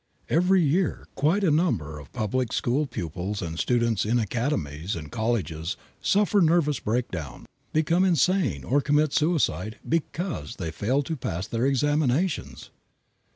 Every year quite a number of public school pupils and students in academies and colleges suffer nervous breakdown, become insane or commit suicide because they fail to pass their examinations.